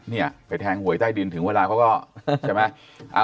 เนี่ยไปแทงหวยใต้ดินถึงเวลาเขาก็ใช่ไหม